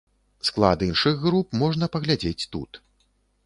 Склад іншых груп можна паглядзець тут.